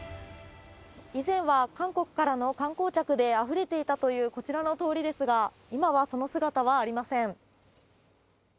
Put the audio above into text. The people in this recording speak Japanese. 以前は韓国からの観光客であふれていたというこちらの通りですが、今はその姿はありません。